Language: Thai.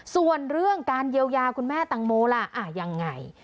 ส่วนเรื่องการเยียวยาคุณแม่ตังโมล่ะยังไง